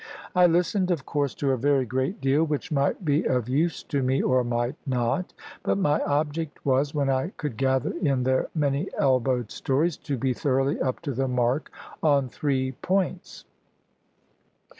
I listened, of course, to a very great deal, which might be of use to me or might not; but my object was, when I could gather in their many elbowed stories, to be thoroughly up to the mark on three points.